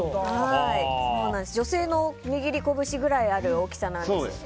女性の握りこぶしくらいある大きさなんですよね。